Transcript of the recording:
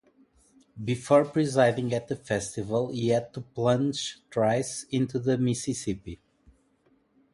Before presiding at the festival he had to plunge thrice into the Mississippi.